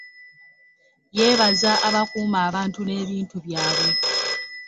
Yeebaza abakuuma abantu n'ebintu byabwe.